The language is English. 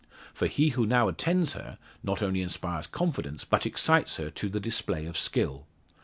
For he who now attends on her, not only inspires confidence, but excites her to the display of skill.